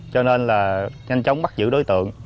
cho nên là nhanh chóng bắt giữ đối tượng